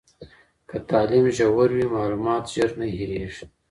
که تعلیم ژور وي، معلومات ژر نه هېریږي.